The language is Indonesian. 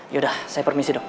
yaudah saya permisi dok